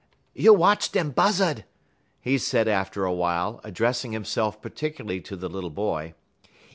"You watch dem Buzzud," he said after awhile, addressing himself particularly to the little boy.